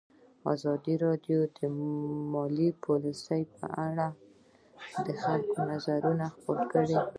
ازادي راډیو د مالي پالیسي په اړه د خلکو نظرونه خپاره کړي.